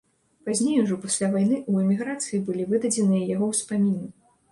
Пазней, ужо пасля вайны, у эміграцыі былі выдадзеныя яго ўспаміны.